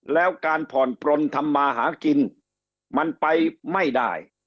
แล้วการผ่อนปลนทำมาหากินมันไปไม่ได้